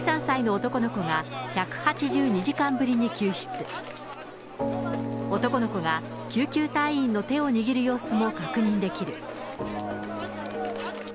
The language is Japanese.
男の子が救急隊員の手を握る様子も確認できる。